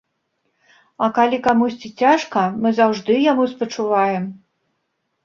А калі камусьці цяжка, мы заўжды яму спачуваем.